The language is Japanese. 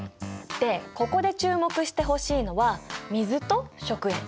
でここで注目してほしいのは水と食塩。